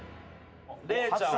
礼ちゃん。